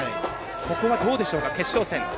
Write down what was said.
ここはどうでしょうか、決勝戦。